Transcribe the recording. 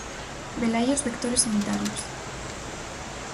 Velaí os vectores unitarios.